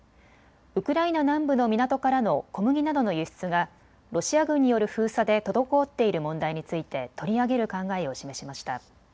ウクライナ南部の港からの小麦などの輸出がロシア軍による封鎖で滞っている問題について取り上げる考えを示しました。